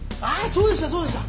そうでしたそうでした！